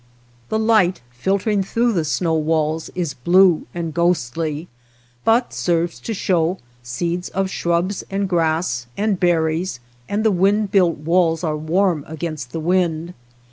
The light filtering through the snow walls is blue and ghostly, but serves to show seeds of shrubs and grass, and berries, and the wind built walls are warm against the wind.